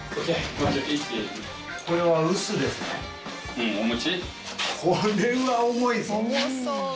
うんお餅。